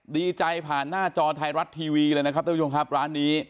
ดใจผ่านหน้าจอไทรรัตทร์ทีวีเลยนะครับด้วยพี่ผู้ชมครับร้านนี้